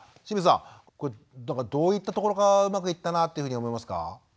清水さんどういったところがうまくいったなというふうに思いますか。